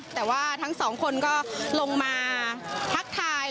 แต่ว่าทั้งสองคนก็ลงมาทักทาย